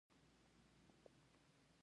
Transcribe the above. باز په دې سبب لوی غر نیولی دی.